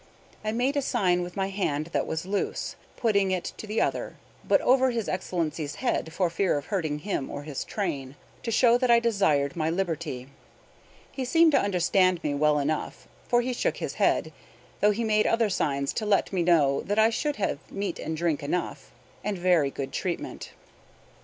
I made a sign with my hand that was loose, putting it to the other (but over his Excellency's head, for fear of hurting him or his train), to show that I desired my liberty. He seemed to understand me well enough, for he shook his head, though he made other signs to let me know that I should have meat and drink enough, and very good treatment.